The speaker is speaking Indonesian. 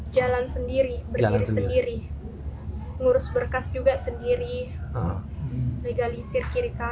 jelita lulus seleksi pendiam di lingkungan pampang kota makassar ini bisa menjadi polisi wanita